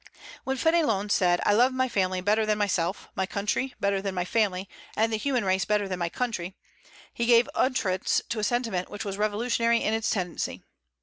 When Fénelon said, "I love my family better than myself, my country better than my family, and the human race better than my country," he gave utterance to a sentiment which was revolutionary in its tendency.